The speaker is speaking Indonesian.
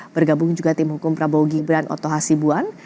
bergabung juga tim hukum prabowo gibran oto hasibuan